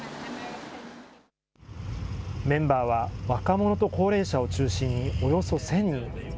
メンバーは、若者と高齢者を中心におよそ１０００人。